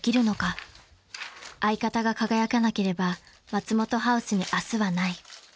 ［相方が輝かなければ松本ハウスに明日はない］